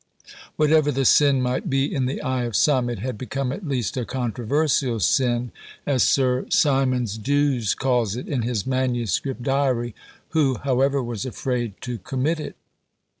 Whatever the sin might be in the eye of some, it had become at least a controversial sin, as Sir Symonds D'Ewes calls it, in his manuscript Diary, who, however, was afraid to commit it.